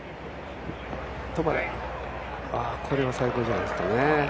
これは最高じゃないですかね。